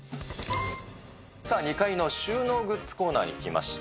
さあ、２階の収納グッズコーナーに来ました。